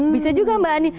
bisa juga mbak ani